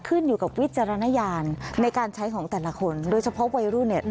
ขึ้นอยู่กับวิจารณญาณในการใช้ของแต่ละคนโดยเฉพาะวัยรุ่นเนี่ย